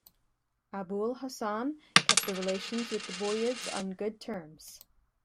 Abu'l-Hasan kept the relations with the Buyids on good terms.